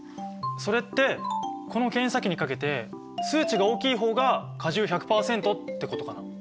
それってこの検査器にかけて数値が大きい方が果汁１００％ってことかな？